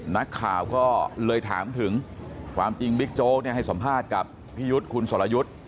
นักข่าวก็เลยถามถึงความจริงบิ๊กโจ๊กให้สัมภาษณ์กับพี่ยุทธ์คุณสรยุทธ์